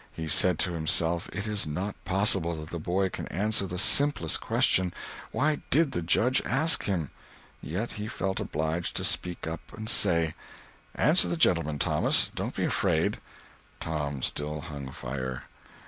He said to himself, it is not possible that the boy can answer the simplest question—why did the Judge ask him? Yet he felt obliged to speak up and say: "Answer the gentleman, Thomas—don't be afraid." Tom still hung fire.